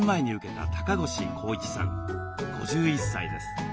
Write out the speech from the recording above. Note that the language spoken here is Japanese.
５１歳です。